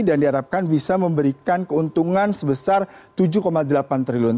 dan diharapkan bisa memberikan keuntungan sebesar tujuh delapan triliun